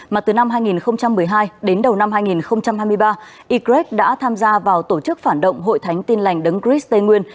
mà từ năm hai nghìn một mươi hai đến đầu năm hai nghìn hai mươi ba ygrec đã tham gia vào tổ chức phản động hội thánh tin lành đấng chris tây nguyên